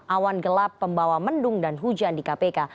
awan gelap pembawa mendung dan hujan di kpk